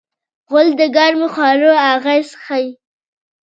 غول د ګرمو خوړو اغېز ښيي.